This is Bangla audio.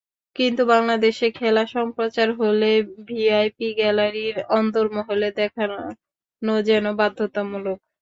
কিন্তু বাংলাদেশে খেলা সম্প্রচার হলে ভিআইপি গ্যালারির অন্দরমহল দেখানো যেন বাধ্যতামূলক।